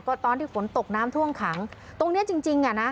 ก็ตอนที่ฝนตกน้ำท่วมขังตรงเนี้ยจริงจริงอ่ะนะ